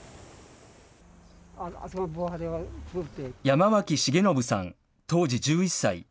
山脇重信さん、当時１１歳。